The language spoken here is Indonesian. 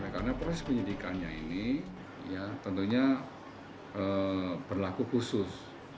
karena proses penyidikannya ini tentunya berlaku khusus